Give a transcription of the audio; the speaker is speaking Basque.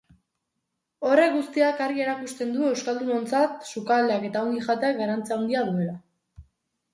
Horrek guztiak argi erakusten du euskaldunontzat sukaldeak eta ongi jateak garrantzi handia duela.